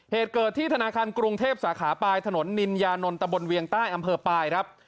เหตุเกิดที่ธนาคารกรุงเทพสาขาปลายถนนนินยานนท์ตะบนเวียงใต้อำเภอปลายครับ